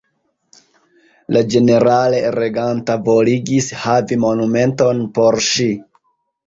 La ĝenerale reganta voligis havi monumenton por ŝi.